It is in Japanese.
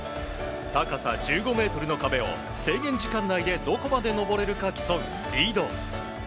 高さ１５ｍの壁を制限時間内でどこまで登れるか競うリード。